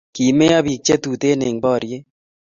kimeyo pik che tuten eny boriet